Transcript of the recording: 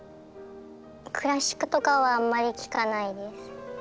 クラシックとかはあんまり聴かないです。